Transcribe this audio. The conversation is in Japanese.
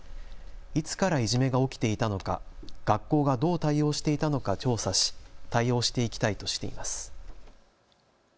いつからいじめが起きていたのか学校がどう対応していたのか調査し対応していきたいとしています。